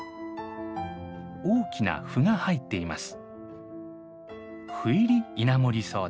大きな斑が入っています。